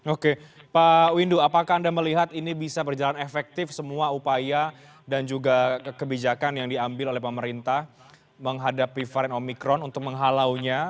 oke pak windu apakah anda melihat ini bisa berjalan efektif semua upaya dan juga kebijakan yang diambil oleh pemerintah menghadapi varian omikron untuk menghalaunya